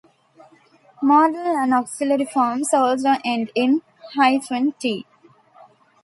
Modal and auxiliary forms also end in "-t".